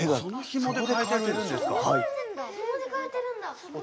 そこで変えてるんだ！